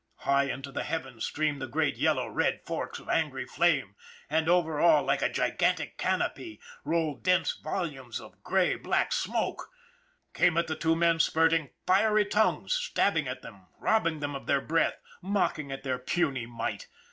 High into the heavens streamed the great yellow red forks of angry flame, and over all, like a gigantic canopy, rolled dense volumes of gray black smoke. Came at the two men spurting, fiery tongues, stabbing at them, robbing them of their breath, mocking at their puny might.